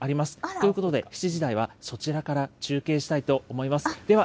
ということで、７時台はそちらから中継したいと思います。